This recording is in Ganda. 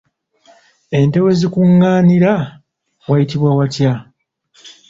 Ente we zikungaanira wayitibwa watya?